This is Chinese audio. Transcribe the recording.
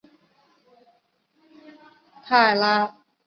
拉波滕施泰因是奥地利下奥地利州茨韦特尔县的一个市镇。